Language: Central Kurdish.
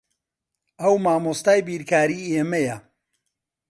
ئەو مامۆستای بیرکاریی ئێمەیە.